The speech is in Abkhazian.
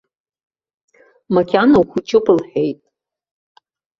Макьана ухәыҷуп лҳәеит.